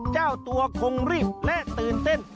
เจ้าตัวคงรีบและตื่นเต้น